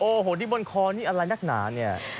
โอ้โหที่บนคอนี่อะไรนักหนาเนี่ย